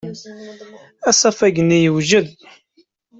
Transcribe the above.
Asafag-nni yewjed.